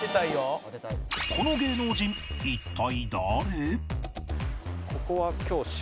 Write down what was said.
この芸能人一体誰？